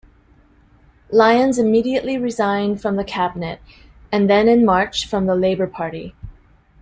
Lyons immediately resigned from the Cabinet, and then in March from the Labor Party.